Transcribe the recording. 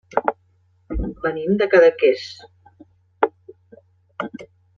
Venim de Cadaqués.